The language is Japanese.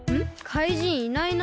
かいじんいないな。